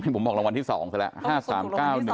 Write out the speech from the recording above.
ผมบอกรางวัลที่สองก็แล้ว